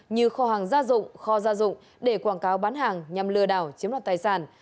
như kho hàng gia dụng kho gia dụng để quảng cáo bán hàng nhằm lừa đảo chiếm đoạt tài sản